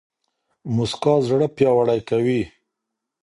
موسکا زړه پياوړی کوي